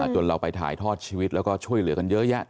จนเราไปถ่ายทอดชีวิตแล้วก็ช่วยเหลือกันเยอะแยะ